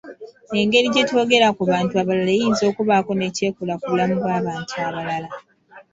Engeri gye twogera ku bantu abalala eyinza okubaako ne ky’ekola ku bulamu bw’abantu abalala.